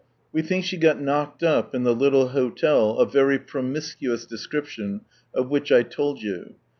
We think she got knocked up in the little hotel of " very |>romisciis description " of which I told you.